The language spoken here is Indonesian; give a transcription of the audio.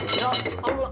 salih itu suara panggilan